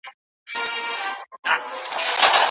په ادبي علومو کي عروض او تاریخ راځي.